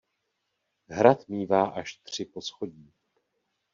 Hrad mívá až tři poschodí.